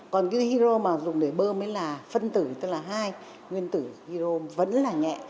còn hero mà dùng để bơm là phân tử tức là hai nguyên tử hero vẫn là nhẹ